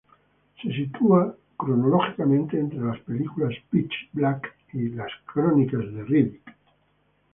Se sitúa cronológicamente entre las películas "Pitch Black" y "Las crónicas de Riddick".